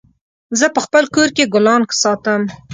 زه په خپل کور کي ګلان ساتم